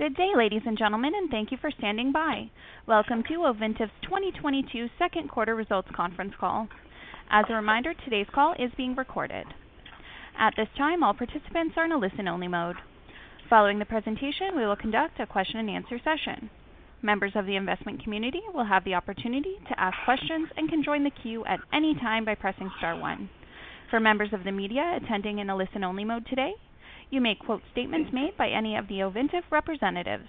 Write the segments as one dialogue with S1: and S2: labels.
S1: Good day, ladies and gentlemen, and thank you for standing by. Welcome to Ovintiv's 2022 second quarter results conference call. As a reminder, today's call is being recorded. At this time, all participants are in a listen-only mode. Following the presentation, we will conduct a question-and-answer session. Members of the investment community will have the opportunity to ask questions and can join the queue at any time by pressing star one. For members of the media attending in a listen-only mode today, you may quote statements made by any of the Ovintiv representatives.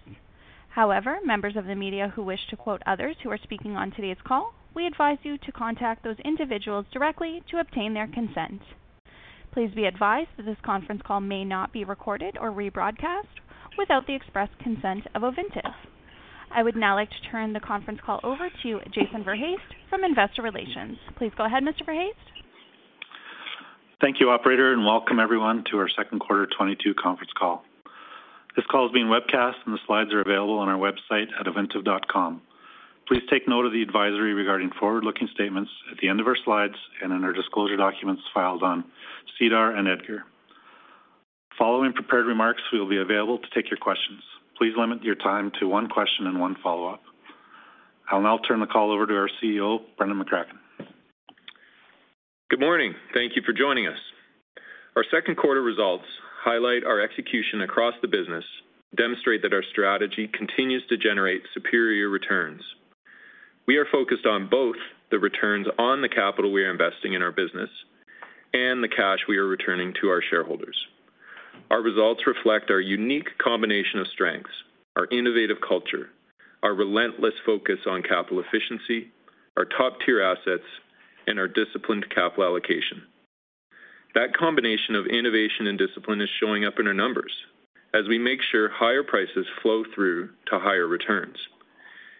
S1: However, members of the media who wish to quote others who are speaking on today's call, we advise you to contact those individuals directly to obtain their consent. Please be advised that this conference call may not be recorded or rebroadcast without the express consent of Ovintiv. I would now like to turn the conference call over to Jason Verhaest from Investor Relations. Please go ahead, Mr. Verhaest.
S2: Thank you, operator, and welcome everyone to our second quarter 2022 conference call. This call is being webcast, and the slides are available on our website at ovintiv.com. Please take note of the advisory regarding forward-looking statements at the end of our slides and in our disclosure documents filed on SEDAR and EDGAR. Following prepared remarks, we will be available to take your questions. Please limit your time to one question and one follow-up. I'll now turn the call over to our CEO, Brendan McCracken.
S3: Good morning. Thank you for joining us. Our second quarter results highlight our execution across the business, demonstrate that our strategy continues to generate superior returns. We are focused on both the returns on the capital we are investing in our business and the cash we are returning to our shareholders. Our results reflect our unique combination of strengths, our innovative culture, our relentless focus on capital efficiency, our top-tier assets, and our disciplined capital allocation. That combination of innovation and discipline is showing up in our numbers as we make sure higher prices flow through to higher returns.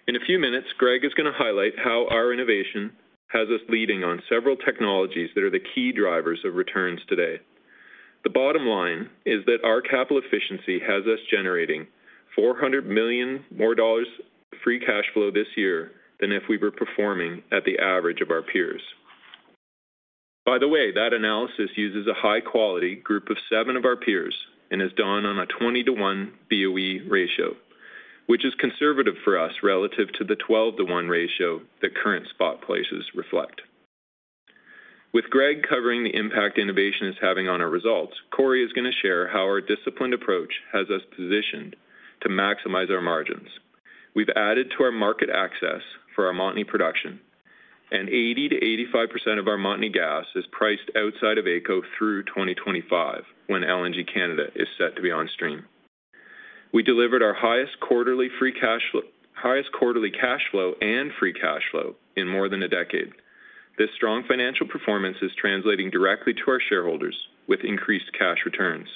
S3: In a few minutes, Greg is gonna highlight how our innovation has us leading on several technologies that are the key drivers of returns today. The bottom line is that our capital efficiency has us generating $400 million more dollars free cash flow this year than if we were performing at the average of our peers. By the way, that analysis uses a high-quality group of seven of our peers and is done on a 20/1 BOE ratio, which is conservative for us relative to the 12/1 ratio that current spot places reflect. With Greg covering the impact innovation is having on our results, Corey is gonna share how our disciplined approach has us positioned to maximize our margins. We've added to our market access for our Montney production, and 80%-85% of our Montney gas is priced outside of AECO through 2025 when LNG Canada is set to be on stream. We delivered our highest quarterly free cash flow, highest quarterly cash flow and free cash flow in more than a decade. This strong financial performance is translating directly to our shareholders with increased cash returns.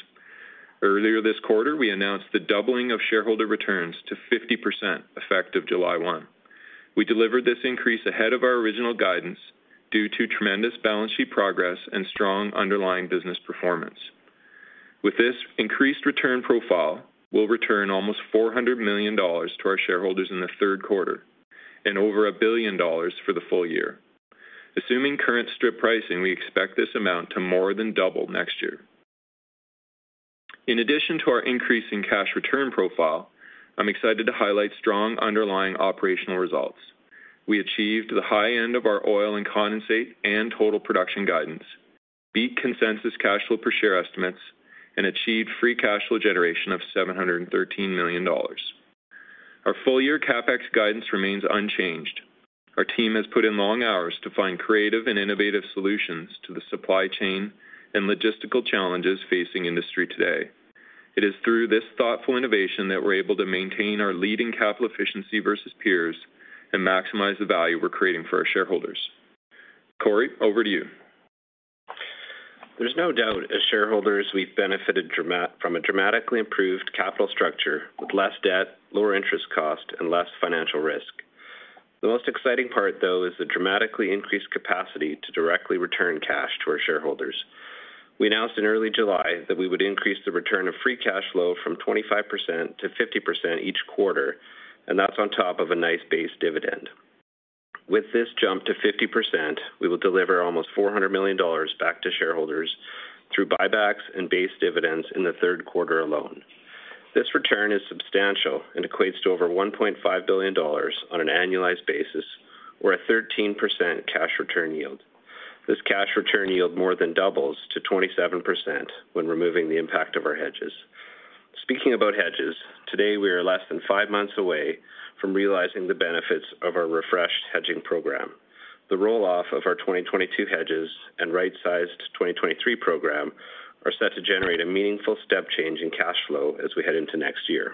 S3: Earlier this quarter, we announced the doubling of shareholder returns to 50%, effective July 1. We delivered this increase ahead of our original guidance due to tremendous balance sheet progress and strong underlying business performance. With this increased return profile, we'll return almost $400 million to our shareholders in the third quarter and over a billion dollars for the full year. Assuming current strip pricing, we expect this amount to more than double next year. In addition to our increase in cash return profile, I'm excited to highlight strong underlying operational results. We achieved the high end of our oil and condensate and total production guidance, beat consensus cash flow per share estimates, and achieved free cash flow generation of $713 million. Our full-year CapEx guidance remains unchanged. Our team has put in long hours to find creative and innovative solutions to the supply chain and logistical challenges facing industry today. It is through this thoughtful innovation that we're able to maintain our leading capital efficiency versus peers and maximize the value we're creating for our shareholders. Corey, over to you.
S4: There's no doubt as shareholders we've benefited from a dramatically improved capital structure with less debt, lower interest cost, and less financial risk. The most exciting part, though, is the dramatically increased capacity to directly return cash to our shareholders. We announced in early July that we would increase the return of free cash flow from 25% to 50% each quarter, and that's on top of a nice base dividend. With this jump to 50%, we will deliver almost $400 million back to shareholders through buybacks and base dividends in the third quarter alone. This return is substantial and equates to over $1.5 billion on an annualized basis or a 13% cash return yield. This cash return yield more than doubles to 27% when removing the impact of our hedges. Speaking about hedges, today we are less than five months away from realizing the benefits of our refreshed hedging program. The roll-off of our 2022 hedges and right-sized 2023 program are set to generate a meaningful step change in cash flow as we head into next year.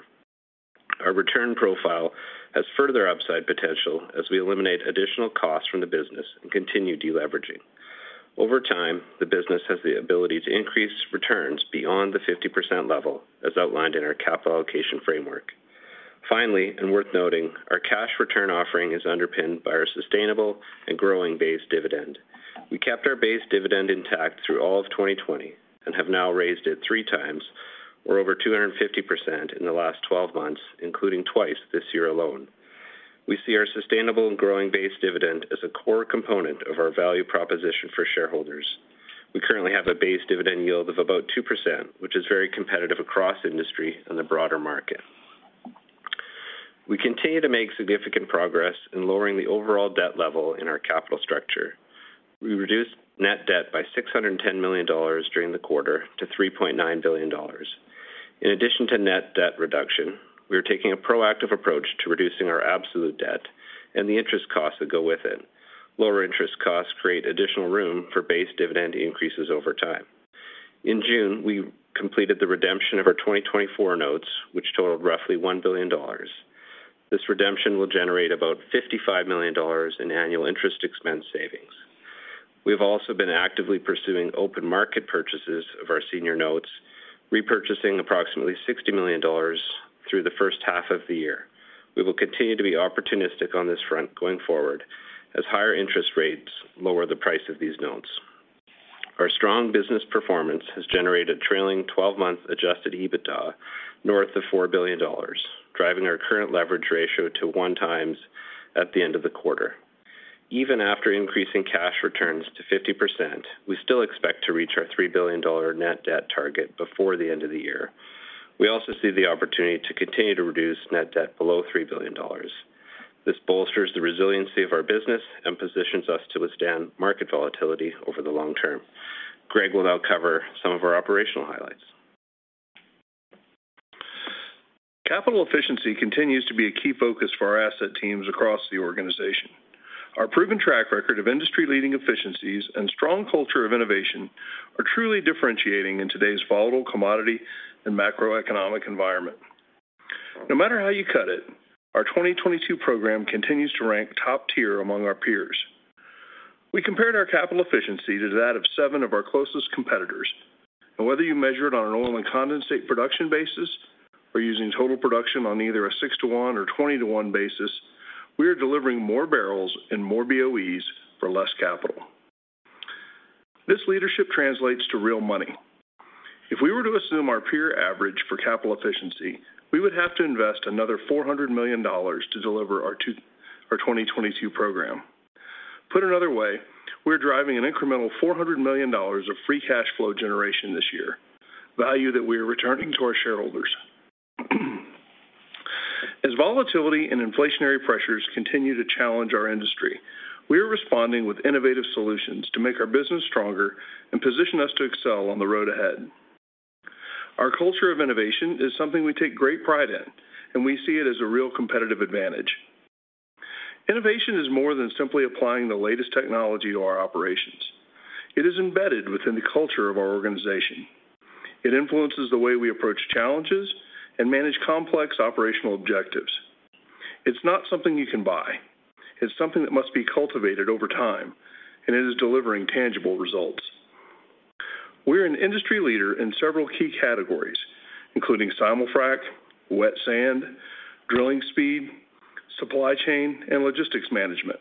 S4: Our return profile has further upside potential as we eliminate additional costs from the business and continue deleveraging. Over time, the business has the ability to increase returns beyond the 50% level, as outlined in our capital allocation framework. Finally, and worth noting, our cash return offering is underpinned by our sustainable and growing base dividend. We kept our base dividend intact through all of 2020 and have now raised it three times or over 250% in the last 12 months, including twice this year alone. We see our sustainable and growing base dividend as a core component of our value proposition for shareholders. We currently have a base dividend yield of about 2%, which is very competitive across industry and the broader market. We continue to make significant progress in lowering the overall debt level in our capital structure. We reduced net debt by $610 million during the quarter to $3.9 billion. In addition to net debt reduction, we are taking a proactive approach to reducing our absolute debt and the interest costs that go with it. Lower interest costs create additional room for base dividend increases over time. In June, we completed the redemption of our 2024 notes, which totaled roughly $1 billion. This redemption will generate about $55 million in annual interest expense savings. We have also been actively pursuing open market purchases of our senior notes, repurchasing approximately $60 million through the first half of the year. We will continue to be opportunistic on this front going forward as higher interest rates lower the price of these notes. Our strong business performance has generated trailing twelve months adjusted EBITDA north of $4 billion, driving our current leverage ratio to 1x at the end of the quarter. Even after increasing cash returns to 50%, we still expect to reach our $3 billion net debt target before the end of the year. We also see the opportunity to continue to reduce net debt below $3 billion. This bolsters the resiliency of our business and positions us to withstand market volatility over the long term. Greg will now cover some of our operational highlights.
S5: Capital efficiency continues to be a key focus for our asset teams across the organization. Our proven track record of industry-leading efficiencies and strong culture of innovation are truly differentiating in today's volatile commodity and macroeconomic environment. No matter how you cut it, our 2022 program continues to rank top tier among our peers. We compared our capital efficiency to that of seven of our closest competitors. Whether you measure it on an oil and condensate production basis or using total production on either a 6/1 or 20/1 basis, we are delivering more barrels and more BOEs for less capital. This leadership translates to real money. If we were to assume our peer average for capital efficiency, we would have to invest another $400 million to deliver our 2022 program. Put another way, we're driving an incremental $400 million of free cash flow generation this year. Value that we are returning to our shareholders. As volatility and inflationary pressures continue to challenge our industry, we are responding with innovative solutions to make our business stronger and position us to excel on the road ahead. Our culture of innovation is something we take great pride in, and we see it as a real competitive advantage. Innovation is more than simply applying the latest technology to our operations. It is embedded within the culture of our organization. It influences the way we approach challenges and manage complex operational objectives. It's not something you can buy. It's something that must be cultivated over time, and it is delivering tangible results. We're an industry leader in several key categories, including simul-frac, wet sand, drilling speed, supply chain, and logistics management.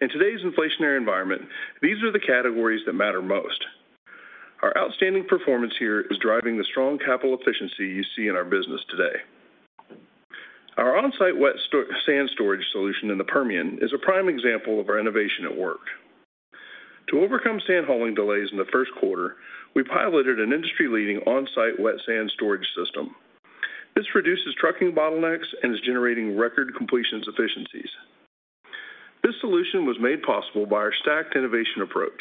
S5: In today's inflationary environment, these are the categories that matter most. Our outstanding performance here is driving the strong capital efficiency you see in our business today. Our on-site wet sand storage solution in the Permian is a prime example of our innovation at work. To overcome sand hauling delays in the first quarter, we piloted an industry-leading on-site wet sand storage system. This reduces trucking bottlenecks and is generating record completion efficiencies. This solution was made possible by our stacked innovation approach.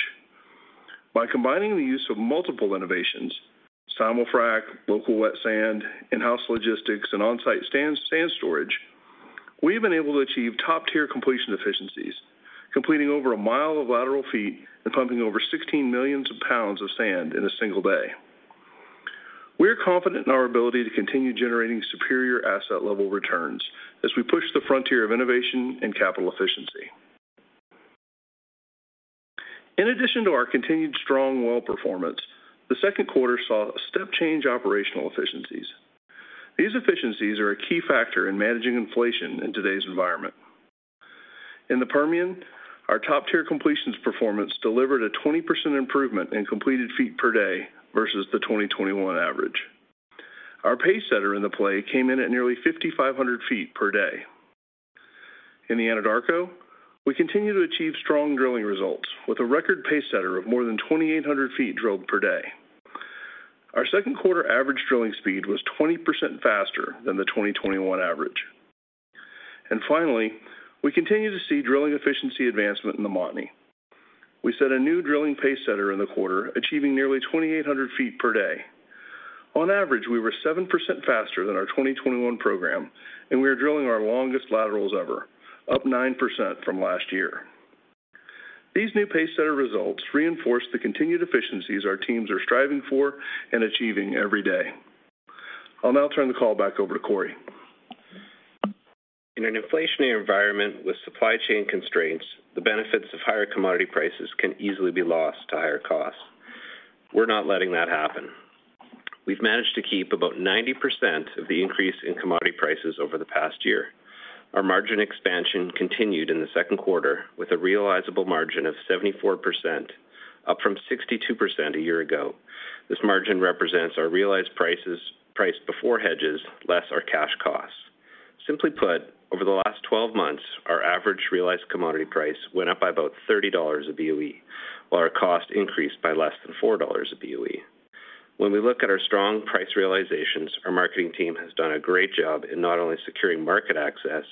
S5: By combining the use of multiple innovations, simul-frac, local wet sand, in-house logistics, and on-site sand storage, we have been able to achieve top-tier completion efficiencies, completing over a mile of lateral feet and pumping over 16 million pounds of sand in a single day. We are confident in our ability to continue generating superior asset level returns as we push the frontier of innovation and capital efficiency. In addition to our continued strong well performance, the second quarter saw a step change in operational efficiencies. These efficiencies are a key factor in managing inflation in today's environment. In the Permian, our top-tier completions performance delivered a 20% improvement in completed feet per day versus the 2021 average. Our pace setter in the play came in at nearly 5,500 ft per day. In the Anadarko, we continue to achieve strong drilling results with a record pace setter of more than 2,800 ft drilled per day. Our second quarter average drilling speed was 20% faster than the 2021 average. Finally, we continue to see drilling efficiency advancement in the Montney. We set a new drilling pacesetter in the quarter, achieving nearly 2,800 ft per day. On average, we were 7% faster than our 2021 program, and we are drilling our longest laterals ever, up 9% from last year. These new pacesetter results reinforce the continued efficiencies our teams are striving for and achieving every day. I'll now turn the call back over to Corey.
S4: In an inflationary environment with supply chain constraints, the benefits of higher commodity prices can easily be lost to higher costs. We're not letting that happen. We've managed to keep about 90% of the increase in commodity prices over the past year. Our margin expansion continued in the second quarter with a realizable margin of 74%, up from 62% a year ago. This margin represents our realized prices priced before hedges, less our cash costs. Simply put, over the last 12 months, our average realized commodity price went up by about $30 a BOE, while our cost increased by less than $4 a BOE. When we look at our strong price realizations, our marketing team has done a great job in not only securing market access,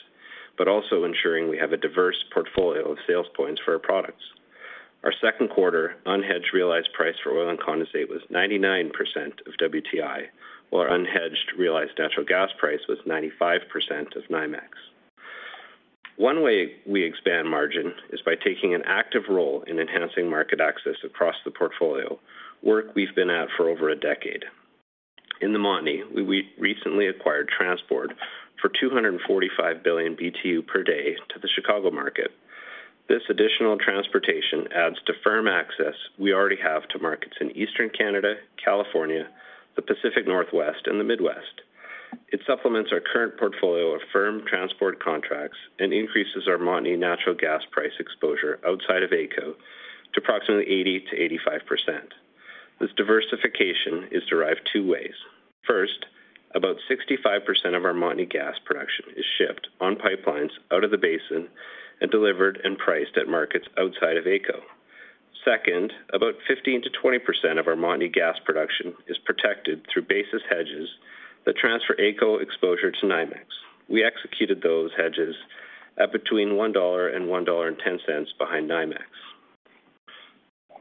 S4: but also ensuring we have a diverse portfolio of sales points for our products. Our second quarter unhedged realized price for oil and condensate was 99% of WTI, while our unhedged realized natural gas price was 95% of NYMEX. One way we expand margin is by taking an active role in enhancing market access across the portfolio, work we've been at for over a decade. In the Montney, we recently acquired transport for 245 billion BTU per day to the Chicago market. This additional transportation adds to firm access we already have to markets in Eastern Canada, California, the Pacific Northwest, and the Midwest. It supplements our current portfolio of firm transport contracts and increases our Montney natural gas price exposure outside of AECO to approximately 80%-85%. This diversification is derived two ways. First, about 65% of our Montney gas production is shipped on pipelines out of the basin and delivered and priced at markets outside of AECO. Second, about 15%-20% of our Montney gas production is protected through basis hedges that transfer AECO exposure to NYMEX. We executed those hedges at between $1 and $1.10 behind NYMEX.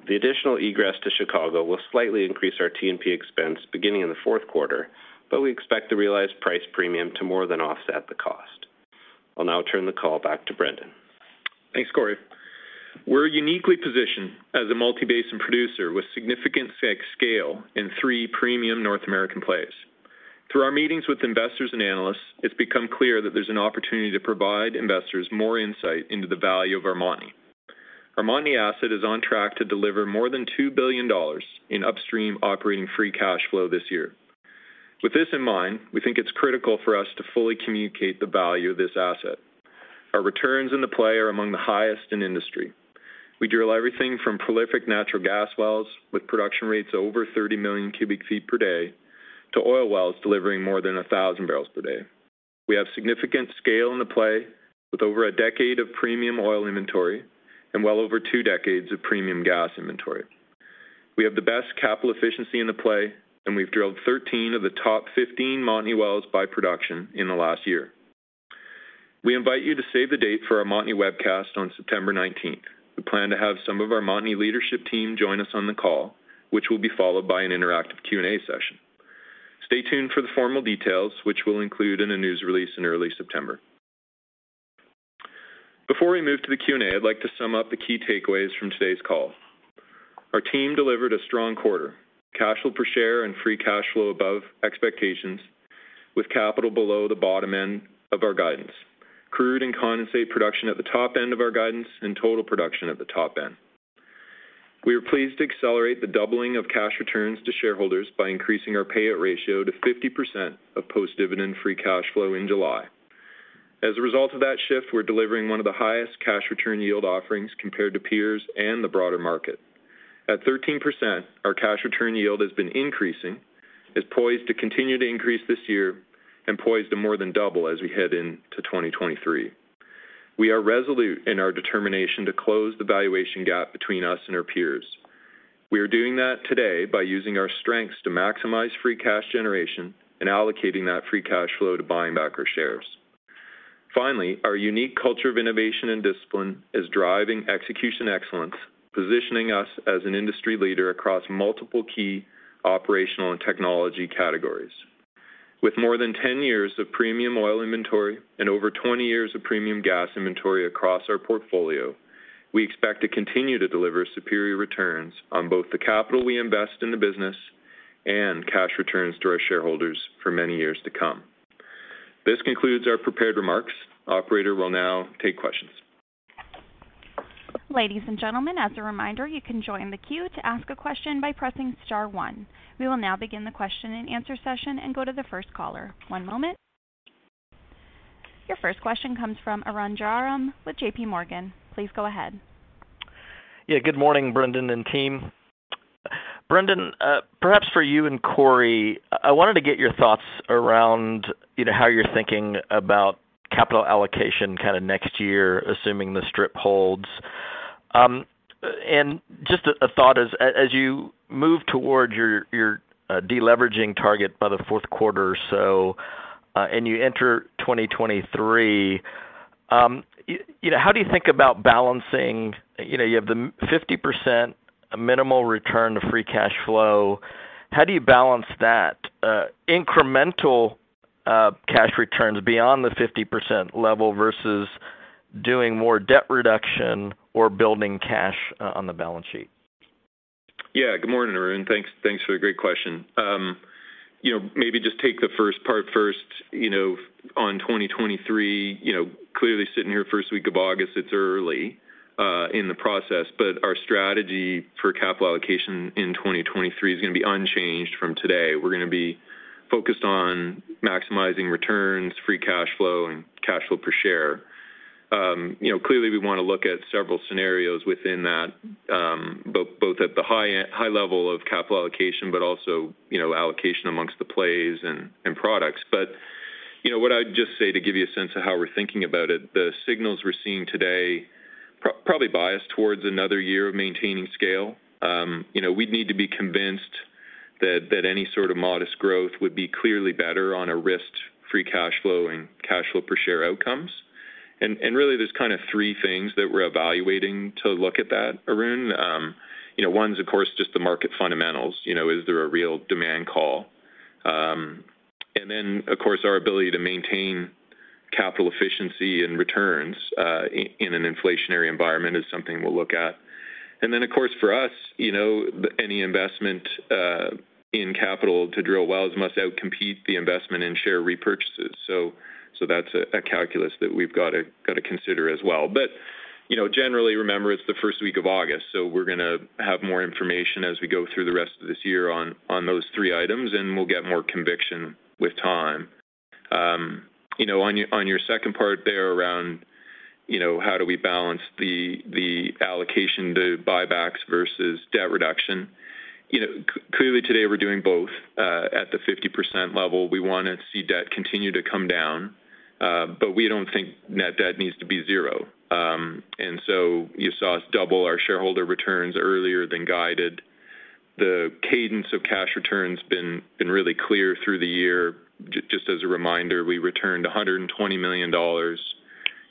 S4: The additional egress to Chicago will slightly increase our T&P expense beginning in the fourth quarter, but we expect the realized price premium to more than offset the cost. I'll now turn the call back to Brendan.
S3: Thanks, Corey. We're uniquely positioned as a multi-basin producer with significant scale in three premium North American plays. Through our meetings with investors and analysts, it's become clear that there's an opportunity to provide investors more insight into the value of our Montney. Our Montney asset is on track to deliver more than $2 billion in upstream operating free cash flow this year. With this in mind, we think it's critical for us to fully communicate the value of this asset. Our returns in the play are among the highest in industry. We drill everything from prolific natural gas wells with production rates over 30 million cu ft per day to oil wells delivering more than 1,000 barrels per day. We have significant scale in the play with over a decade of premium oil inventory and well over two decades of premium gas inventory. We have the best capital efficiency in the play, and we've drilled 13 of the top 15 Montney wells by production in the last year. We invite you to save the date for our Montney webcast on September 19. We plan to have some of our Montney leadership team join us on the call, which will be followed by an interactive Q&A session. Stay tuned for the formal details, which we'll include in a news release in early September. Before we move to the Q&A, I'd like to sum up the key takeaways from today's call. Our team delivered a strong quarter, cash flow per share, and free cash flow above expectations, with capital below the bottom end of our guidance. Crude and condensate production at the top end of our guidance and total production at the top end. We are pleased to accelerate the doubling of cash returns to shareholders by increasing our payout ratio to 50% of post-dividend free cash flow in July. As a result of that shift, we're delivering one of the highest cash return yield offerings compared to peers and the broader market. At 13%, our cash return yield has been increasing, is poised to continue to increase this year, and poised to more than double as we head into 2023. We are resolute in our determination to close the valuation gap between us and our peers. We are doing that today by using our strengths to maximize free cash generation and allocating that free cash flow to buying back our shares. Finally, our unique culture of innovation and discipline is driving execution excellence, positioning us as an industry leader across multiple key operational and technology categories. With more than 10 years of premium oil inventory and over 20 years of premium gas inventory across our portfolio, we expect to continue to deliver superior returns on both the capital we invest in the business and cash returns to our shareholders for many years to come. This concludes our prepared remarks. Operator will now take questions.
S1: Ladies and gentlemen, as a reminder, you can join the queue to ask a question by pressing star one. We will now begin the question and answer session and go to the first caller. One moment. Your first question comes from Arun Jayaram with J.P. Morgan. Please go ahead.
S6: Yeah. Good morning, Brendan and team. Brendan, perhaps for you and Corey, I wanted to get your thoughts around, you know, how you're thinking about capital allocation kind of next year, assuming the strip holds. Just a thought as you move towards your deleveraging target by the fourth quarter or so, and you enter 2023, you know, how do you think about balancing? You know, you have the 50% minimal return to free cash flow. How do you balance that, incremental cash returns beyond the 50% level versus doing more debt reduction or building cash on the balance sheet?
S3: Yeah. Good morning, Arun. Thanks for the great question. You know, maybe just take the first part first, you know, on 2023. You know, clearly sitting here first week of August, it's early in the process, but our strategy for capital allocation in 2023 is gonna be unchanged from today. We're gonna be focused on maximizing returns, free cash flow, and cash flow per share. You know, clearly we wanna look at several scenarios within that, both at the high level of capital allocation, but also, you know, allocation amongst the plays and products. You know, what I'd just say to give you a sense of how we're thinking about it, the signals we're seeing today probably bias towards another year of maintaining scale. You know, we'd need to be convinced that that any sort of modest growth would be clearly better on a risked free cash flow and cash flow per share outcomes. Really, there's kind of three things that we're evaluating to look at that, Arun. You know, one's of course, just the market fundamentals. You know, is there a real demand call? Of course our ability to maintain capital efficiency and returns in an inflationary environment is something we'll look at. Of course for us, you know, any investment in capital to drill wells must outcompete the investment in share repurchases. That's a calculus that we've gotta consider as well. You know, generally, remember it's the first week of August, so we're gonna have more information as we go through the rest of this year on those three items, and we'll get more conviction with time. You know, on your second part there around, you know, how do we balance the allocation, the buybacks versus debt reduction? You know, clearly today we're doing both at the 50% level. We wanna see debt continue to come down, but we don't think net debt needs to be zero. You saw us double our shareholder returns earlier than guided. The cadence of cash return's been really clear through the year. Just as a reminder, we returned $120 million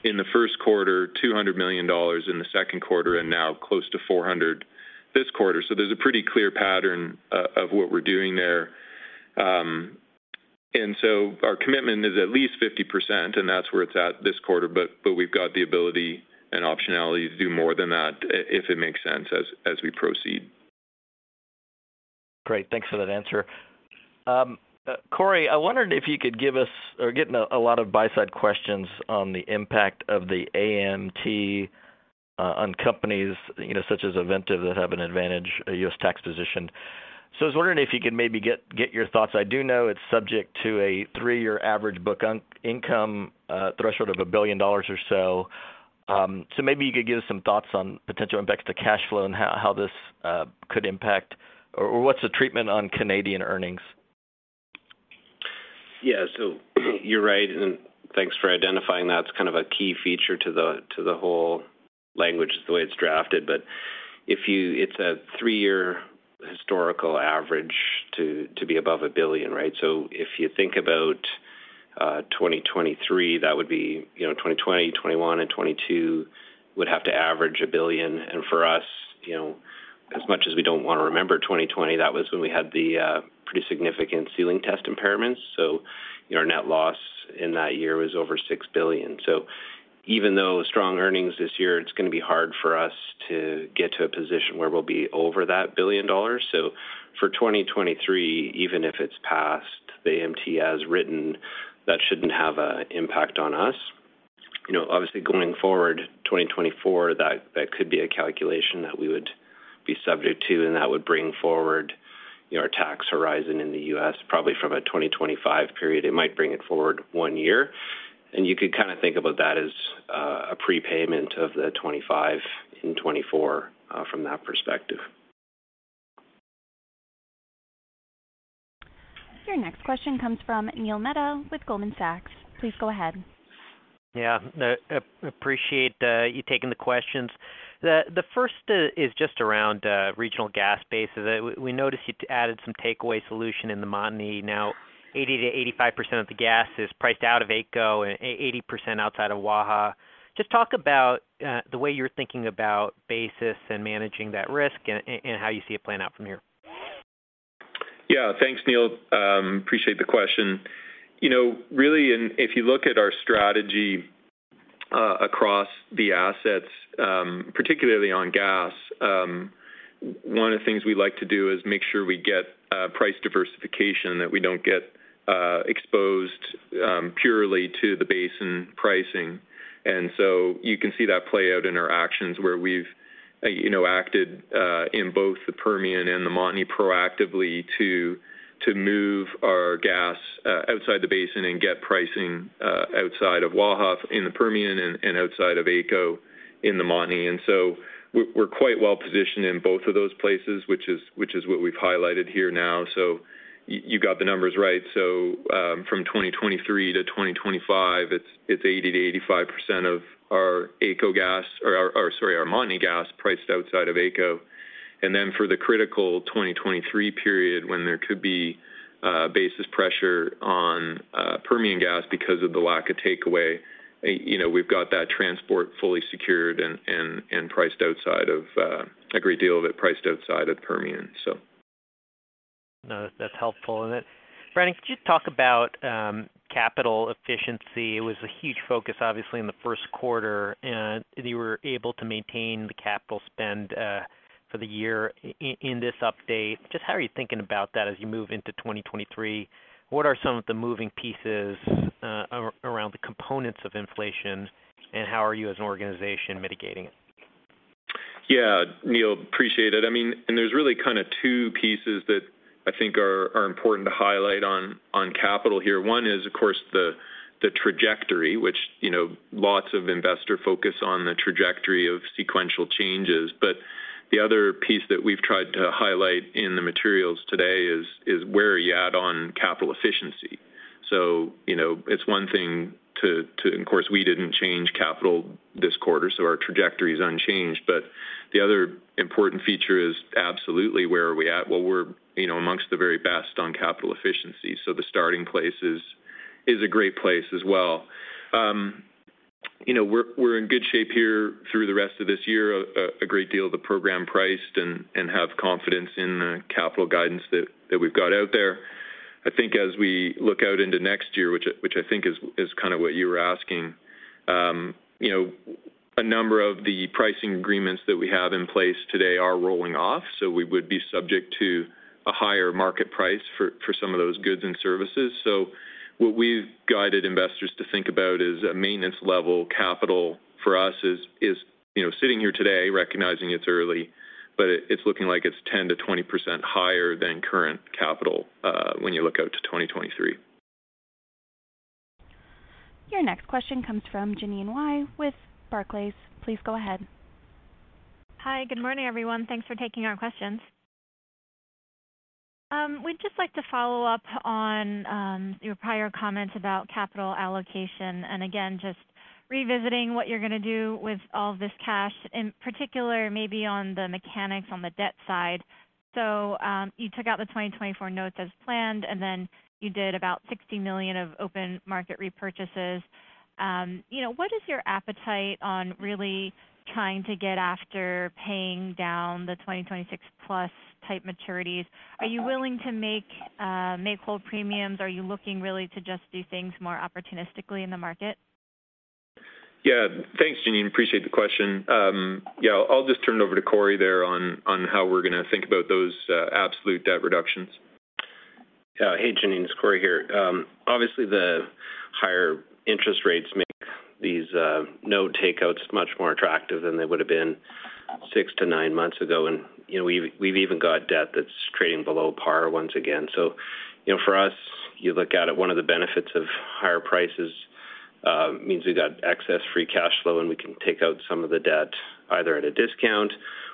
S3: in the first quarter, $200 million in the second quarter, and now close to $400 this quarter. There's a pretty clear pattern of what we're doing there. Our commitment is at least 50%, and that's where it's at this quarter, but we've got the ability and optionality to do more than that if it makes sense as we proceed.
S6: Great. Thanks for that answer. Corey, I wondered. We're getting a lot of buy-side questions on the impact of the AMT on companies, you know, such as Ovintiv that have an advantage, a U.S. tax position. I was wondering if you could maybe give your thoughts. I do know it's subject to a three-year average book income threshold of a billion dollar or so. Maybe you could give us some thoughts on potential impacts to cash flow and how this could impact or what's the treatment on Canadian earnings?
S4: Yeah. You're right, and thanks for identifying that. It's kind of a key feature to the whole language, the way it's drafted. It's a three-year historical average to be above $1 billion, right? If you think about 2023, that would be, you know, 2020, 2021, and 2022 would have to average a billion. For us, you know, as much as we don't wanna remember 2020, that was when we had the pretty significant ceiling test impairments. Our net loss in that year was over $6 billion. Even though strong earnings this year, it's gonna be hard for us to get to a position where we'll be over that billion dollar. For 2023, even if it's passed the AMT as written, that shouldn't have an impact on us.
S3: You know, obviously going forward, 2024, that could be a calculation that we would be subject to, and that would bring forward, you know, our tax horizon in the U.S. probably from a 2025 period. It might bring it forward one year. You could kind of think about that as a prepayment of the 25 and 24 from that perspective.
S1: Your next question comes from Neil Mehta with Goldman Sachs. Please go ahead.
S7: Yeah. Appreciate you taking the questions. The first is just around regional gas bases. We noticed you'd added some takeaway solution in the Montney. Now 80%-85% of the gas is priced out of AECO and 80% outside of Waha. Just talk about the way you're thinking about basis and managing that risk and how you see it playing out from here.
S3: Yeah. Thanks, Neil. Appreciate the question. You know, really, if you look at our strategy across the assets, particularly on gas, one of the things we like to do is make sure we get price diversification, that we don't get exposed purely to the basin pricing. You can see that play out in our actions where we've, you know, acted in both the Permian and the Montney proactively to move our gas outside the basin and get pricing outside of Waha in the Permian and outside of AECO in the Montney. We're quite well positioned in both of those places, which is what we've highlighted here now. You got the numbers right. From 2023 to 2025, it's 80%-85% of our AECO gas or our Montney gas priced outside of AECO. For the critical 2023 period when there could be basis pressure on Permian gas because of the lack of takeaway, you know, we've got that transport fully secured and a great deal of it priced outside of Permian.
S7: No, that's helpful. Brendan, could you talk about capital efficiency? It was a huge focus, obviously, in the first quarter, and you were able to maintain the capital spend for the year in this update. Just how are you thinking about that as you move into 2023? What are some of the moving pieces around the components of inflation, and how are you as an organization mitigating it?
S3: Yeah, Neil, appreciate it. I mean, there's really kind of two pieces that I think are important to highlight on capital here. One is, of course, the trajectory, which, you know, lots of investor focus on the trajectory of sequential changes. The other piece that we've tried to highlight in the materials today is where are you at on capital efficiency? You know, it's one thing, and of course, we didn't change capital this quarter, so our trajectory is unchanged. The other important feature is absolutely where are we at? Well, we're, you know, among the very best on capital efficiency, so the starting place is a great place as well. You know, we're in good shape here through the rest of this year, a great deal of the program priced and have confidence in the capital guidance that we've got out there. I think as we look out into next year, which I think is kind of what you were asking, you know, a number of the pricing agreements that we have in place today are rolling off. We would be subject to a higher market price for some of those goods and services. What we've guided investors to think about is a maintenance level capital for us is, you know, sitting here today recognizing it's early, but it's looking like it's 10%-20% higher than current capital when you look out to 2023.
S1: Your next question comes from Jeanine Wai with Barclays. Please go ahead.
S8: Hi. Good morning, everyone. Thanks for taking our questions. We'd just like to follow up on your prior comments about capital allocation, and again, just revisiting what you're gonna do with all of this cash, in particular, maybe on the mechanics on the debt side. You took out the 2024 notes as planned, and then you did about $60 million of open market repurchases. You know, what is your appetite on really trying to get after paying down the 2026+ type maturities? Are you willing to make whole premiums? Are you looking really to just do things more opportunistically in the market?
S3: Yeah. Thanks, Jeanine. Appreciate the question. Yeah, I'll just turn it over to Corey there on how we're gonna think about those absolute debt reductions.
S4: Hey, Jeanine, it's Corey here. Obviously, the higher interest rates make these note takeouts much more attractive than they would have been 6-9 months ago. You know, we've even got debt that's trading below par once again. You know, for us, you look at it, one of the benefits of higher prices means we've got excess free cash flow, and we can take out some of the debt either at a discount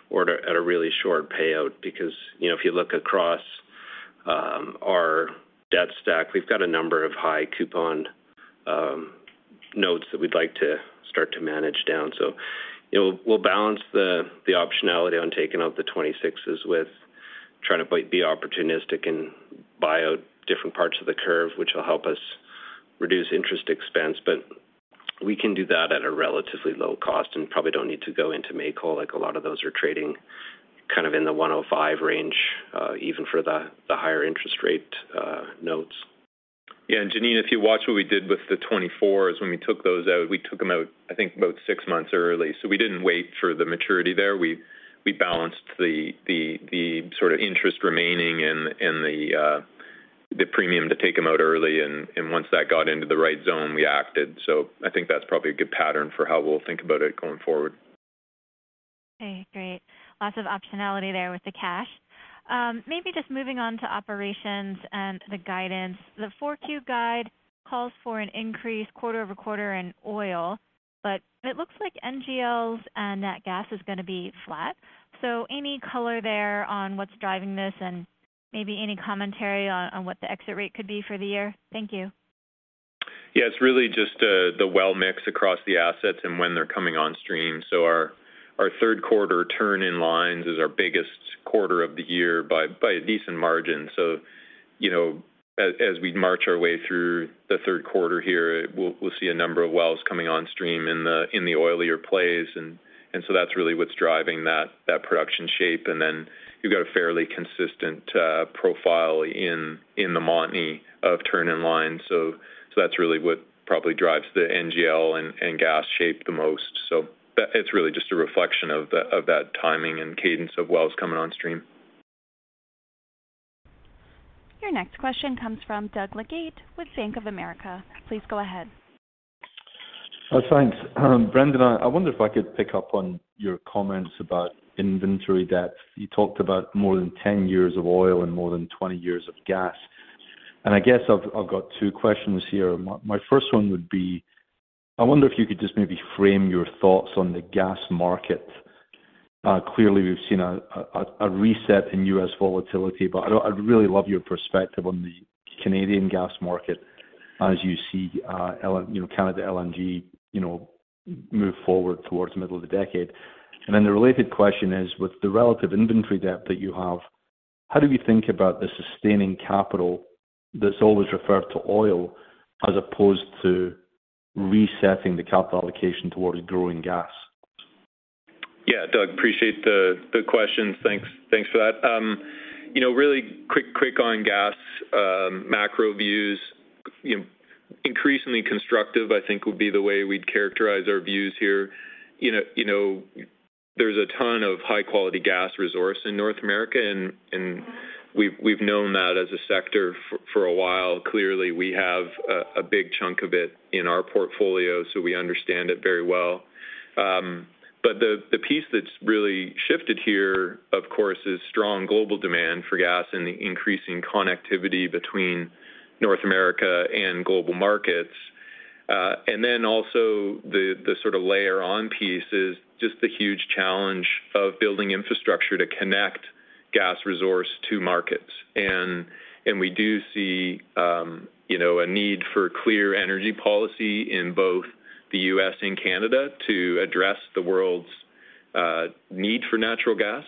S4: or at a really short payout. Because, you know, if you look across our debt stack, we've got a number of high-coupon notes that we'd like to start to manage down. You know, we'll balance the optionality on taking out the 2026s with trying to be opportunistic and buy out different parts of the curve, which will help us reduce interest expense. We can do that at a relatively low cost and probably don't need to go into May call. Like a lot of those are trading kind of in the 105 range, even for the higher interest rate notes.
S3: Yeah. Jeanine, if you watch what we did with the 2024s when we took those out, we took them out, I think, about six months early. We didn't wait for the maturity there. We balanced the sort of interest remaining and the premium to take them out early. Once that got into the right zone, we acted. I think that's probably a good pattern for how we'll think about it going forward.
S8: Okay, great. Lots of optionality there with the cash. Maybe just moving on to operations and the guidance. The 4Q guide calls for an increase quarter-over-quarter in oil, but it looks like NGLs and net gas is gonna be flat. Any color there on what's driving this and maybe any commentary on what the exit rate could be for the year? Thank you.
S3: It's really just the well mix across the assets and when they're coming on stream. Our third quarter turn in lines is our biggest quarter of the year by a decent margin. You know, as we march our way through the third quarter here, we'll see a number of wells coming on stream in the oilier plays. So that's really what's driving that production shape. Then you've got a fairly consistent profile in the Montney of turn in line. That's really what probably drives the NGL and gas shape the most. That's really just a reflection of that timing and cadence of wells coming on stream.
S1: Your next question comes from Douglas Leggate with Bank of America. Please go ahead.
S9: Thanks. Brendan, I wonder if I could pick up on your comments about inventory debt. You talked about more than 10 years of oil and more than 20 years of gas. I guess I've got two questions here. My first one would be, I wonder if you could just maybe frame your thoughts on the gas market. Clearly, we've seen a reset in U.S. volatility, but I'd really love your perspective on the Canadian gas market as you see, you know, LNG Canada, you know, move forward towards the middle of the decade. The related question is, with the relative inventory debt that you have, how do we think about the sustaining capital that's always referred to oil as opposed to resetting the capital allocation towards growing gas?
S3: Yeah. Doug, appreciate the question. Thanks for that. You know, really quick on gas, macro views, you know, increasingly constructive, I think, would be the way we'd characterize our views here. You know, there's a ton of high-quality gas resource in North America, and we've known that as a sector for a while. Clearly, we have a big chunk of it in our portfolio, so we understand it very well. The piece that's really shifted here, of course, is strong global demand for gas and the increasing connectivity between North America and global markets, and then also the sort of layer on piece is just the huge challenge of building infrastructure to connect gas resource to markets. We do see, you know, a need for clear energy policy in both the U.S. and Canada to address the world's need for natural gas.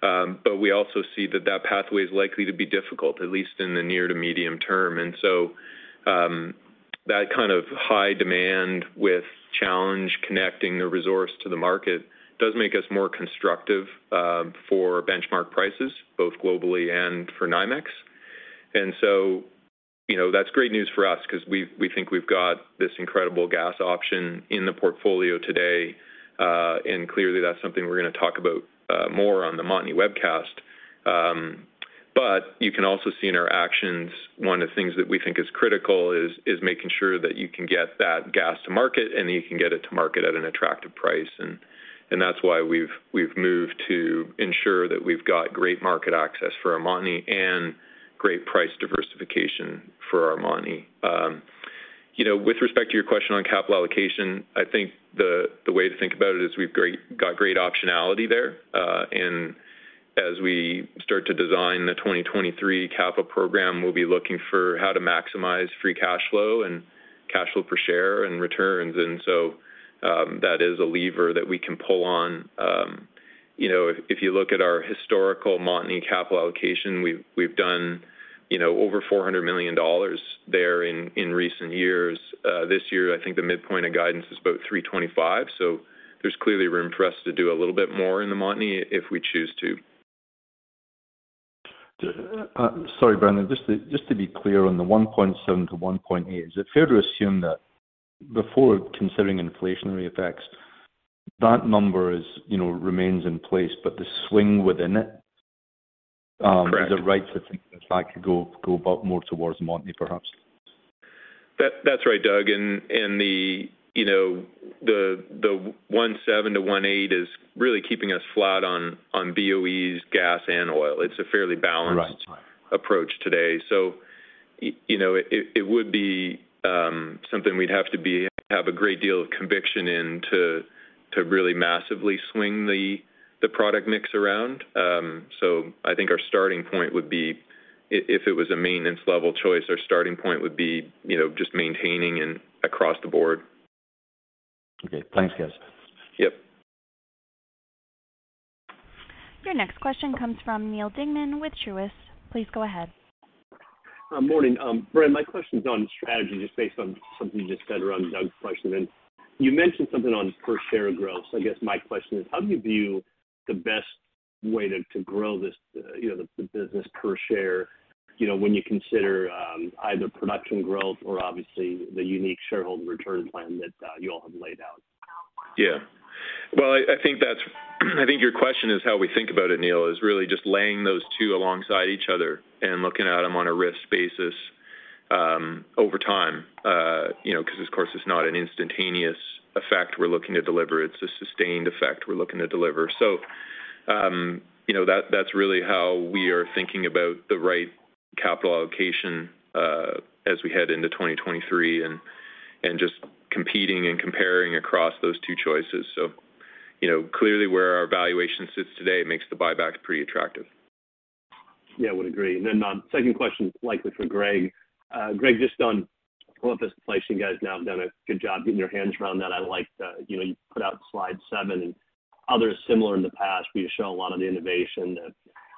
S3: But we also see that pathway is likely to be difficult, at least in the near to medium term. That kind of high demand with challenges connecting the resource to the market does make us more constructive for benchmark prices, both globally and for NYMEX. You know, that's great news for us 'cause we think we've got this incredible gas option in the portfolio today, and clearly that's something we're gonna talk about more on the Montney webcast. You can also see in our actions, one of the things that we think is critical is making sure that you can get that gas to market, and you can get it to market at an attractive price. That's why we've moved to ensure that we've got great market access for our Montney and great price diversification for our Montney. You know, with respect to your question on capital allocation, I think the way to think about it is we've got great optionality there. As we start to design the 2023 capital program, we'll be looking for how to maximize free cash flow and cash flow per share and returns. That is a lever that we can pull on. You know, if you look at our historical Montney capital allocation, we've done, you know, over $400 million there in recent years. This year, I think the midpoint of guidance is about $325 million. There's clearly room for us to do a little bit more in the Montney if we choose to.
S9: Sorry, Brendan, just to be clear on the 1.7-1.8, is it fair to assume that before considering inflationary effects, that number is, you know, remains in place, but the swing within it?
S3: Correct.
S9: Is it right to think that could go back more towards Montney, perhaps?
S3: That's right, Doug. You know, the 1.7-1.8 is really keeping us flat on BOEs, gas and oil. It's a fairly balanced.
S9: Right.
S3: approach today. You know, it would be something we'd have to have a great deal of conviction in to really massively swing the product mix around. I think our starting point would be if it was a maintenance level choice, our starting point would be, you know, just maintaining and across the board.
S9: Okay, thanks guys.
S3: Yep.
S1: Your next question comes from Neal Dingmann with Truist. Please go ahead.
S10: Morning. Brendan, my question's on strategy, just based on something you just said around Doug's question. You mentioned something on per share growth. I guess my question is, how do you view the best way to grow this, you know, the business per share, you know, when you consider either production growth or obviously the unique shareholder return plan that you all have laid out?
S3: Yeah. Well, I think your question is how we think about it, Neil, is really just laying those two alongside each other and looking at them on a risk basis, over time. You know, 'cause of course it's not an instantaneous effect we're looking to deliver, it's a sustained effect we're looking to deliver. You know, that's really how we are thinking about the right capital allocation, as we head into 2023 and just competing and comparing across those two choices. You know, clearly where our valuation sits today makes the buyback pretty attractive.
S10: Yeah, I would agree. Second question is likely for Greg. Greg, just on inflation pace, you guys now have done a good job getting your hands around that. I like the, you know, you put out slide seven and others similar in the past where you show a lot of the innovation that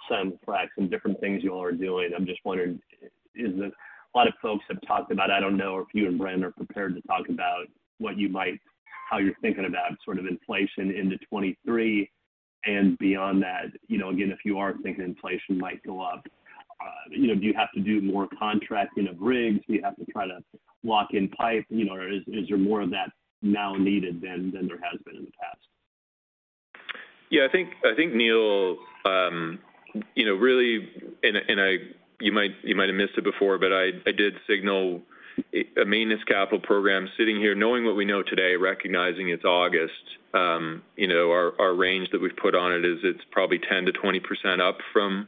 S10: some fracs and different things you all are doing. I'm just wondering, a lot of folks have talked about, I don't know if you and Brendan are prepared to talk about how you're thinking about sort of inflation into 2023 and beyond that. You know, again, if you are thinking inflation might go up, you know, do you have to do more contracting of rigs? Do you have to try to lock in pipe? You know, or is there more of that now needed than there has been in the past?
S3: Yeah, I think, Neil, you know, really. You might have missed it before, but I did signal a maintenance capital program sitting here, knowing what we know today, recognizing it's August, you know, our range that we've put on it is probably 10%-20% up from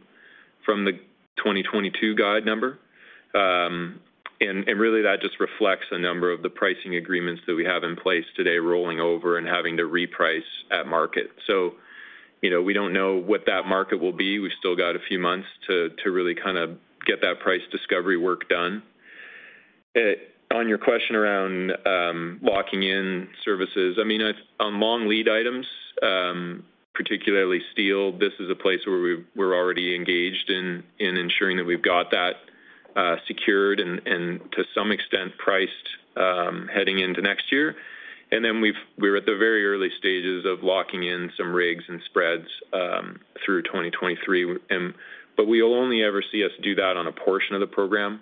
S3: the 2022 guide number. Really that just reflects a number of the pricing agreements that we have in place today rolling over and having to reprice at market. You know, we don't know what that market will be. We've still got a few months to really kind of get that price discovery work done. On your question around locking in services, I mean, on long lead items, particularly steel, this is a place where we're already engaged in ensuring that we've got that secured and to some extent priced heading into next year. We're at the very early stages of locking in some rigs and spreads through 2023. But we'll only ever see us do that on a portion of the program.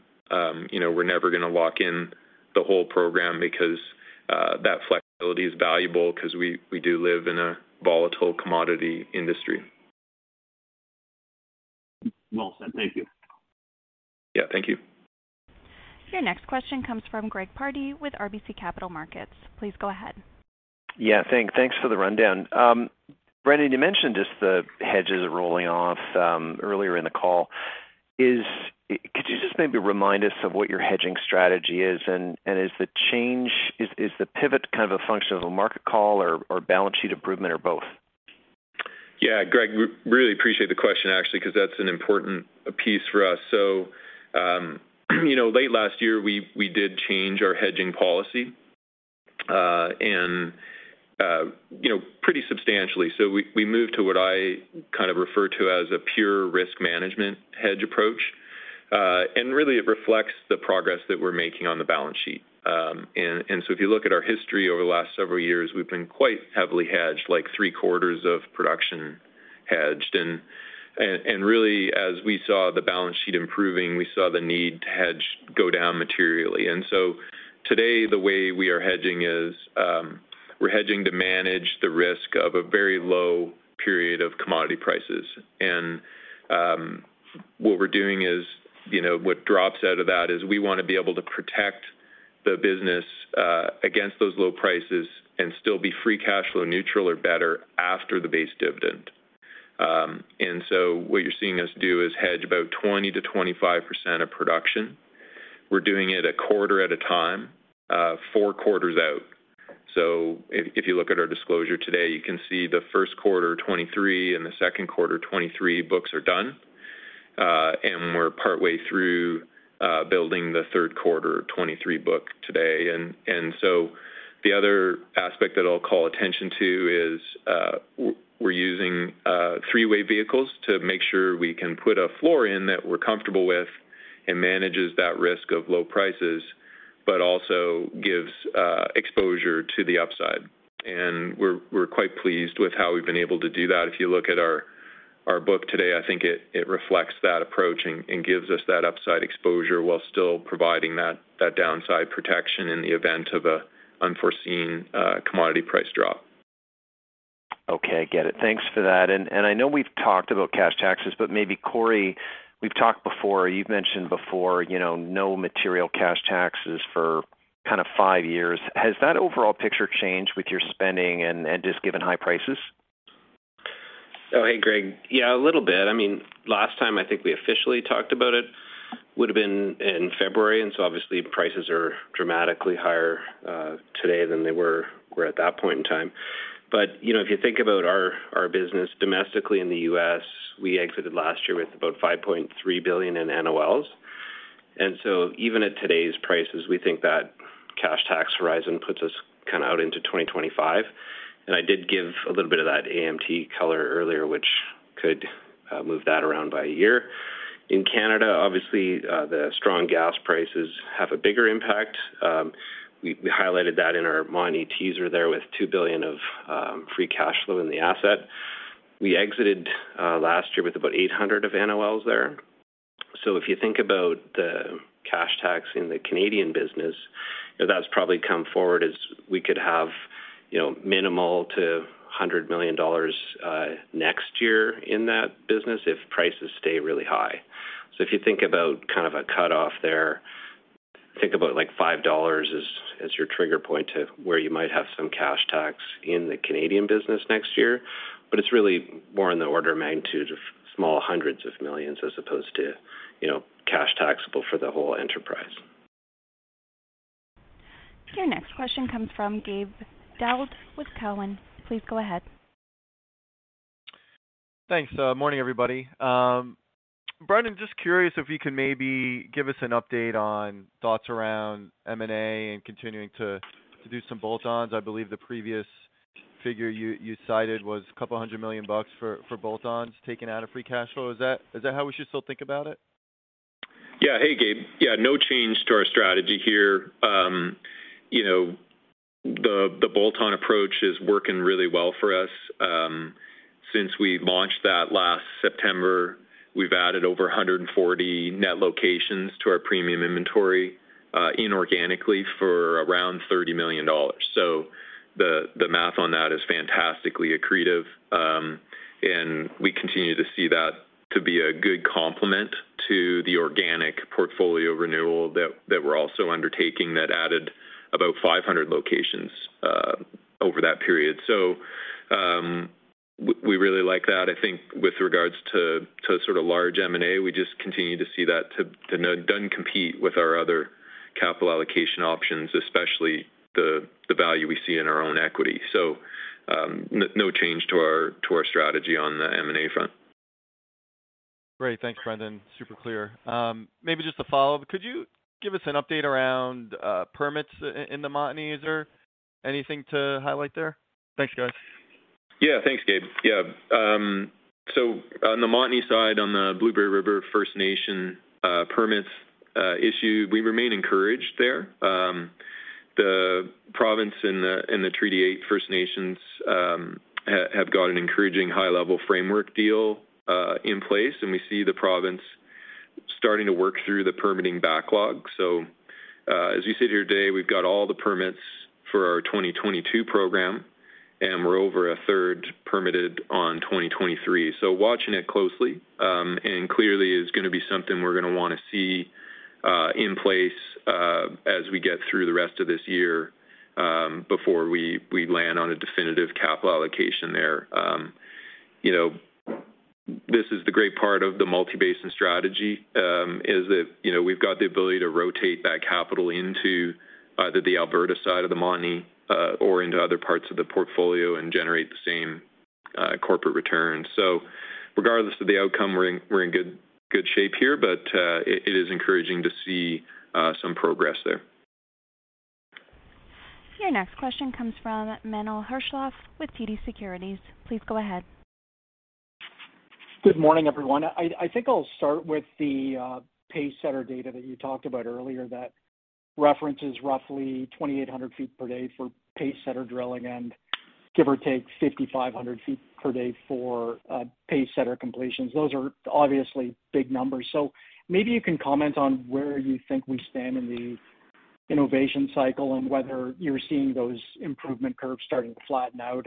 S3: You know, we're never gonna lock in the whole program because that flexibility is valuable 'cause we do live in a volatile commodity industry.
S10: Well said. Thank you.
S3: Yeah, thank you.
S1: Your next question comes from Greg Pardy with RBC Capital Markets. Please go ahead.
S11: Yeah, thanks for the rundown. Brendan, you mentioned just the hedges rolling off earlier in the call. Could you just maybe remind us of what your hedging strategy is? Is the pivot kind of a function of a market call or balance sheet improvement or both?
S3: Yeah. Greg, really appreciate the question actually, 'cause that's an important piece for us. You know, late last year, we did change our hedging policy, and you know, pretty substantially. We moved to what I kind of refer to as a pure risk management hedge approach. Really it reflects the progress that we're making on the balance sheet. If you look at our history over the last several years, we've been quite heavily hedged, like three-quarters of production hedged. Really as we saw the balance sheet improving, we saw the need to hedge go down materially. Today the way we are hedging is, we're hedging to manage the risk of a very low period of commodity prices. What we're doing is, you know, what drops out of that is we wanna be able to protect the business against those low prices and still be free cash flow neutral or better after the base dividend. What you're seeing us do is hedge about 20%-25% of production. We're doing it a quarter at a time, four quarters out. If you look at our disclosure today, you can see the first quarter 2023 and the second quarter 2023 books are done. We're partway through building the third quarter 2023 book today. The other aspect that I'll call attention to is, we're using three-way vehicles to make sure we can put a floor in that we're comfortable with and manages that risk of low prices, but also gives exposure to the upside. We're quite pleased with how we've been able to do that. If you look at our book today, I think it reflects that approach and gives us that upside exposure while still providing that downside protection in the event of an unforeseen commodity price drop.
S11: Okay, get it. Thanks for that. I know we've talked about cash taxes, but maybe Corey, we've talked before, you've mentioned before, you know, no material cash taxes for kind of five years. Has that overall picture changed with your spending and just given high prices?
S4: Oh, hey, Greg. Yeah, a little bit. I mean, last time I think we officially talked about it would've been in February, and so obviously prices are dramatically higher today than they were at that point in time. You know, if you think about our business domestically in the U.S., we exited last year with about $5.3 billion in NOLs. Even at today's prices, we think that cash tax horizon puts us kind of out into 2025. I did give a little bit of that AMT color earlier, which could move that around by a year. In Canada, obviously, the strong gas prices have a bigger impact. We highlighted that in our money teaser there with $2 billion of free cash flow in the asset. We exited last year with about $800 million of NOLs there. If you think about the cash tax in the Canadian business, you know, that's probably minimal to 100 million dollars next year in that business if prices stay really high. If you think about kind of a cutoff there, think about like $5 as your trigger point to where you might have some cash tax in the Canadian business next year. It's really more in the order of magnitude of small hundreds of millions as opposed to, you know, cash taxable for the whole enterprise.
S1: Your next question comes from Gabe Daoud with Cowen. Please go ahead.
S12: Thanks. Morning, everybody. Brendan, just curious if you could maybe give us an update on thoughts around M&A and continuing to do some bolt-ons. I believe the previous figure you cited was $200 million for bolt-ons taken out of free cash flow. Is that how we should still think about it?
S3: Yeah. Hey, Gabe. Yeah, no change to our strategy here. You know, the bolt-on approach is working really well for us. Since we launched that last September, we've added over 140 net locations to our premium inventory, inorganically for around $30 million. The math on that is fantastically accretive. We continue to see that to be a good complement to the organic portfolio renewal that we're also undertaking that added about 500 locations, over that period. We really like that. I think with regards to sort of large M&A, we just continue to see that doesn't compete with our other capital allocation options, especially the value we see in our own equity. No change to our strategy on the M&A front.
S12: Great. Thanks, Brendan. Super clear. Maybe just a follow-up. Could you give us an update around permits in the Montney? Is there anything to highlight there? Thanks, guys.
S3: Yeah. Thanks, Gabe. Yeah. On the Montney side, on the Blueberry River First Nations permits issue, we remain encouraged there. The province and the Treaty 8 First Nations have got an encouraging high-level framework deal in place, and we see the province starting to work through the permitting backlog. As you sit here today, we've got all the permits for our 2022 program, and we're over a third permitted on 2023. Watching it closely, and clearly is gonna be something we're gonna wanna see in place as we get through the rest of this year before we land on a definitive capital allocation there. You know, this is the great part of the multi-basin strategy, is that, you know, we've got the ability to rotate that capital into either the Alberta side of the Montney, or into other parts of the portfolio and generate the same, corporate return. Regardless of the outcome, we're in good shape here. It is encouraging to see some progress there.
S1: Your next question comes from Menno Hulshof with TD Securities. Please go ahead.
S13: Good morning, everyone. I think I'll start with the pace setter data that you talked about earlier that references roughly 2,800 ft per day for pace setter drilling, and give or take 5,500 ft per day for pace setter completions. Those are obviously big numbers. Maybe you can comment on where you think we stand in the innovation cycle and whether you're seeing those improvement curves starting to flatten out?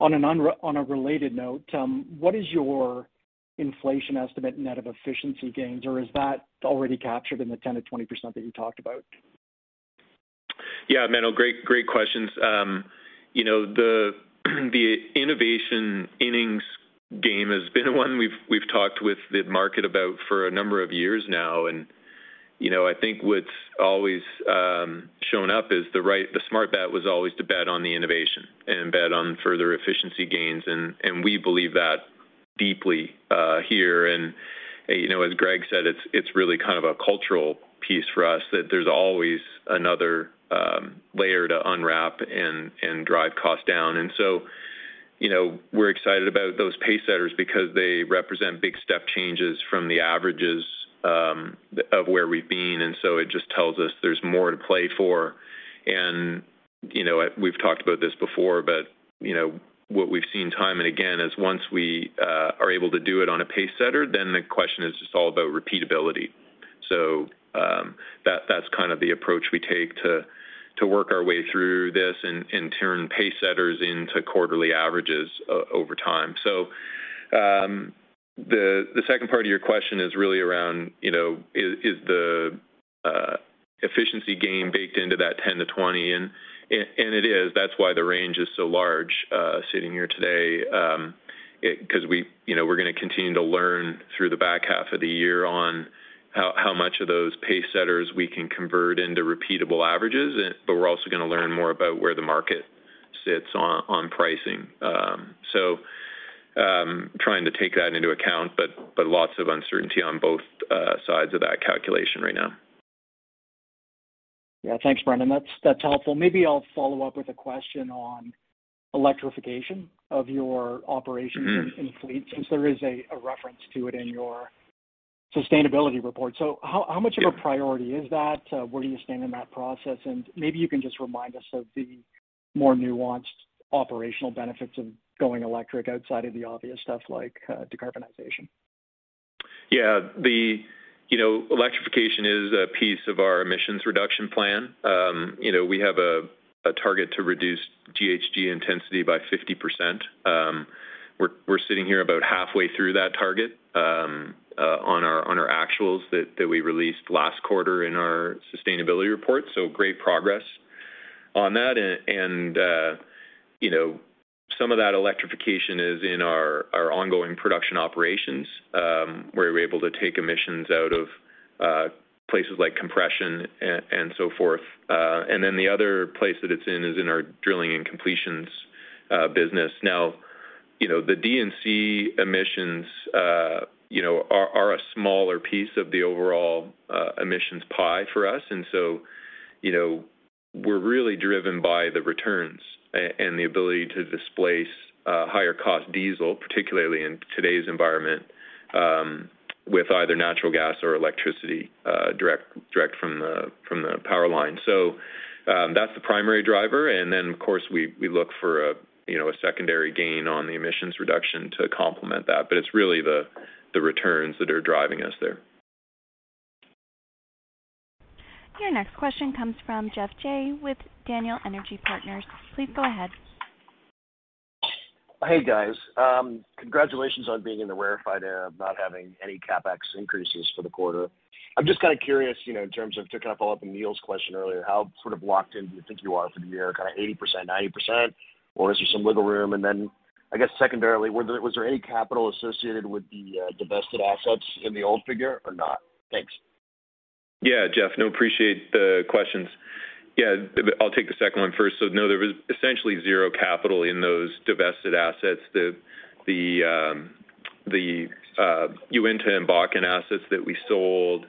S13: On a related note, what is your inflation estimate net of efficiency gains, or is that already captured in the 10%-20% that you talked about?
S3: Yeah, Menno Hulshof, great questions. You know, the innovation innings game has been one we've talked with the market about for a number of years now. You know, I think what's always shown up is the smart bet was always to bet on the innovation and bet on further efficiency gains. We believe that deeply here. You know, as Greg said, it's really kind of a cultural piece for us that there's always another layer to unwrap and drive costs down. You know, we're excited about those pace setters because they represent big step changes from the averages of where we've been, and it just tells us there's more to play for. You know, we've talked about this before, but, you know, what we've seen time and again is once we are able to do it on a pace setter, then the question is just all about repeatability. That's kind of the approach we take to work our way through this and turn pace setters into quarterly averages over time. The second part of your question is really around, you know, is the efficiency gain baked into that 10%-20%? It is. That's why the range is so large, sitting here today, 'cause we, you know, we're gonna continue to learn through the back half of the year on how much of those pace setters we can convert into repeatable averages, but we're also gonna learn more about where the market sits on pricing. Trying to take that into account, but lots of uncertainty on both sides of that calculation right now.
S13: Yeah. Thanks, Brendan. That's helpful. Maybe I'll follow up with a question on electrification of your operations.
S3: Mm-hmm.
S13: Fleet, since there is a reference to it in your sustainability report. How much of a priority is that? Where do you stand in that process? Maybe you can just remind us of the more nuanced operational benefits of going electric outside of the obvious stuff like decarbonization.
S3: Yeah. You know, electrification is a piece of our emissions reduction plan. You know, we have a target to reduce GHG intensity by 50%. We're sitting here about halfway through that target, on our actuals that we released last quarter in our sustainability report. Great progress on that. You know, some of that electrification is in our ongoing production operations, where we're able to take emissions out of places like compression and so forth. The other place that it's in is in our drilling and completions business. Now, you know, the D&C emissions, you know, are a smaller piece of the overall emissions pie for us. You know, we're really driven by the returns and the ability to displace higher cost diesel, particularly in today's environment, with either natural gas or electricity direct from the power line. That's the primary driver. Of course, we look for you know, a secondary gain on the emissions reduction to complement that. It's really the returns that are driving us there.
S1: Your next question comes from Geoff Jay with Daniel Energy Partners. Please go ahead.
S14: Hey, guys. Congratulations on being in the rarefied air of not having any CapEx increases for the quarter. I'm just kinda curious, you know, to kind of follow up on Neal's question earlier, how sort of locked in do you think you are for the year, kinda 80%, 90%, or is there some wiggle room? Then, I guess secondarily, was there any capital associated with the, uh, divested assets in the old figure or not? Thanks.
S3: Yeah, Geoff Jay. No, appreciate the questions. Yeah, I'll take the second one first. No, there was essentially zero capital in those divested assets. The Uinta and Bakken assets that we sold,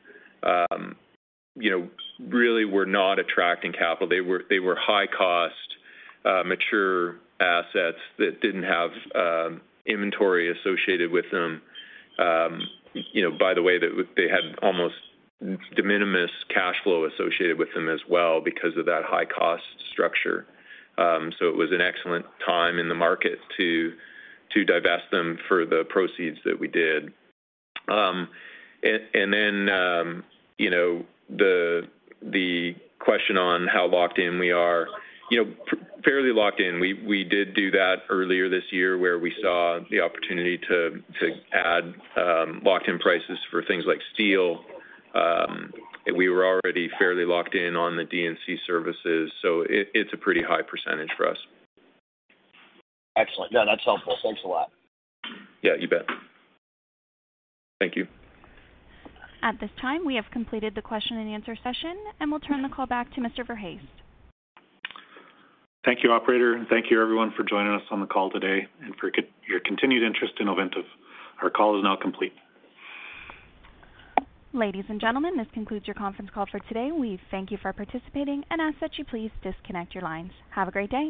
S3: you know, really were not attracting capital. They were high cost, mature assets that didn't have inventory associated with them. You know, by the way, they had almost de minimis cash flow associated with them as well because of that high cost structure. It was an excellent time in the market to divest them for the proceeds that we did. Then, you know, the question on how locked in we are. You know, fairly locked in. We did do that earlier this year where we saw the opportunity to add locked in prices for things like steel. We were already fairly locked in on the D&C services, so it's a pretty high percentage for us.
S14: Excellent. No, that's helpful. Thanks a lot.
S3: Yeah, you bet. Thank you.
S1: At this time, we have completed the question and answer session, and we'll turn the call back to Mr. Verhaest.
S2: Thank you, operator, and thank you everyone for joining us on the call today and for your continued interest in Ovintiv. Our call is now complete.
S1: Ladies and gentlemen, this concludes your conference call for today. We thank you for participating and ask that you please disconnect your lines. Have a great day.